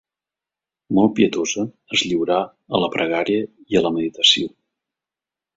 Molt pietosa, es lliurà a la pregària i la meditació.